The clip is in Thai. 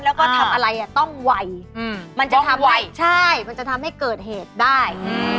แล้วก็ทำอะไรต้องไหวมันจะทำให้เกิดเหตุได้